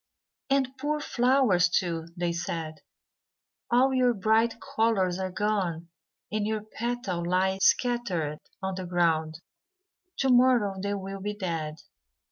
"And, poor flowers, too," they said, "all your bright colours are gone, and your petals lie scattered on the ground; to morrow they will be dead."